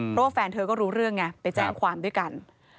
เพราะว่าแฟนเธอก็รู้เรื่องไงไปแจ้งความด้วยกัน